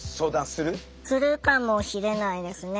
するかもしれないですね。